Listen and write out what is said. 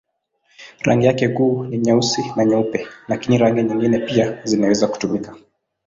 Rangi yake kuu ni nyeusi na nyeupe, lakini rangi nyingine pia zinaweza kutumika.